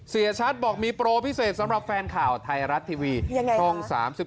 เสียชัดบอกมีโปรพิเศษสำหรับแฟนข่าวไทยรัฐทีวีช่อง๓๒